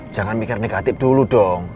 jangan mikir negatif dulu dong